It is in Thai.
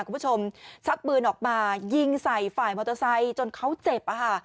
คุณผู้ชมชักบืนออกมายิงใส่ฝ่ายมอเตอร์ไซค์จนเขาเจ็บอ่ะฮะ